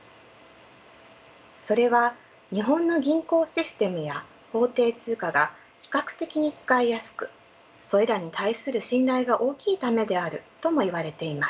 それは日本の銀行システムや法定通貨が比較的に使いやすくそれらに対する信頼が大きいためであるともいわれています。